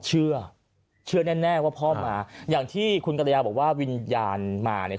เชื่อเชื่อแน่แน่ว่าพ่อมาอย่างที่คุณกรยาบอกว่าวิญญาณมาเนี่ย